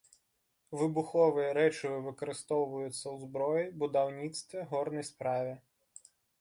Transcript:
Выбуховыя рэчывы выкарыстоўваюцца ў зброі, будаўніцтве, горнай справе.